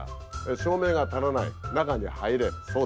照明が足らない中に入れそうですか。